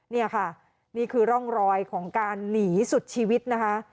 นี่ค่ะนี่คือร่องรอยของการหนีสุดชีวิตนะคะ